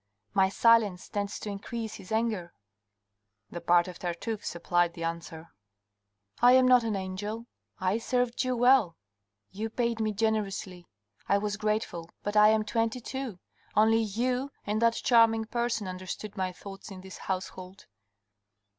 My silence tends to increase his anger." The part of Tartuffe supplied the answer " I am not an angel. ... I served you well ; you paid me generously. ... I was grateful, but I am twenty two. ... Only you and that charming person understood my thoughts in this household."